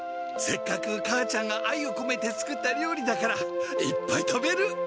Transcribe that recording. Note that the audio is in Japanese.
せっかく母ちゃんが愛をこめて作った料理だからいっぱい食べる。